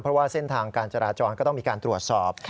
เพราะว่าเส้นทางการจราจรก็ต้องมีการตรวจสอบ